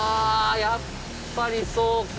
やっぱりそうか！